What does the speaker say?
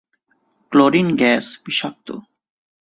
Chlorine gas বিষাক্ত।